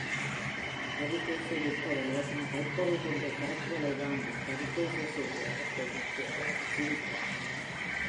கரிதோசை விற்பவளோ தன் கைப்பொருள் கொண்டு சரக்குகளை வாங்கிக் கரிதோசை செய்து அவற்றை விற்று அதனால் சீவிக்கிறாள்.